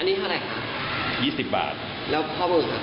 อันนี้เท่าไหร่ยี่สิบบาทแล้วคอร์มงค์สี่หรือ